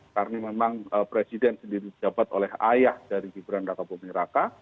karena memang presiden sendiri dijabat oleh ayah dari gibran raka pomeraka